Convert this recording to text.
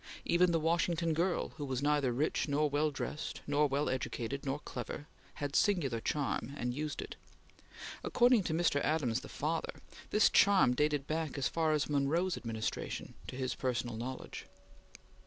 Even the Washington girl, who was neither rich nor well dressed nor well educated nor clever, had singular charm, and used it. According to Mr. Adams the father, this charm dated back as far as Monroe's administration, to his personal knowledge.